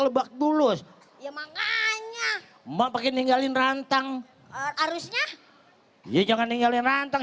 lebak bulus ya makanya mau pakai tinggalin rantang harusnya jangan tinggalin rantang